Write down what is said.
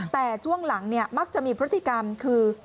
แต่ช่วงหลังมักจะมีพฤติกรรมคือ